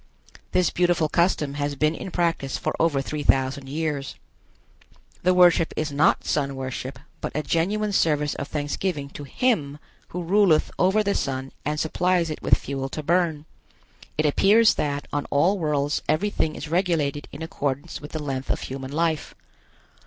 This beautiful custom has been in practice for over three thousand years. The worship is not sun worship, but a genuine service of thanksgiving to Him who ruleth over the sun and supplies it with fuel to burn. It appears that on all worlds everything is regulated in accordance with the length of human life.